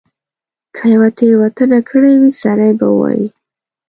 که یوه تیره وتنه کړې وي سړی به ووایي.